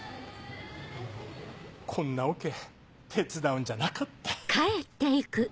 こんなオケ手伝うんじゃなかった。